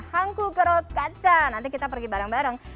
hangku kerok kaca nanti kita pergi bareng bareng